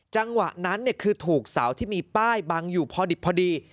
จังหวะนั้นคือถูกเสาที่มีป้ายบังอยู่พอดิบพอดี